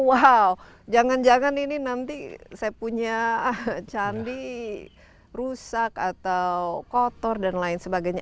wow jangan jangan ini nanti saya punya candi rusak atau kotor dan lain sebagainya